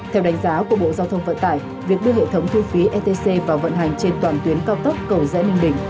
theo đánh giá của bộ giao thông vận tải việc đưa hệ thống thu phí etc vào vận hành trên toàn tuyến cao tốc cầu rẽ ninh bình